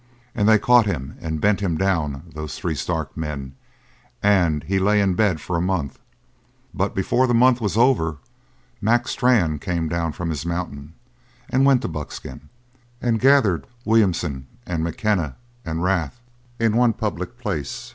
And they caught him and bent him down those three stark men and he lay in bed for a month; but before the month was over Mac Strann came down from his mountain and went to Buckskin and gathered Williamson and McKenna and Rath in one public place.